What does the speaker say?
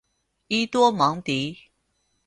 伊多芒迪。